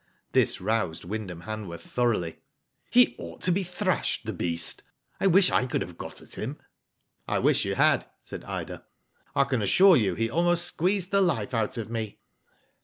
This roused Wyndham Hanworth thoroughly. <* He ought to be thrashed, the beast. I wish I could have got at him." *' I wish you had," said Ida* " I can assure you he almost squeezed the life out of me."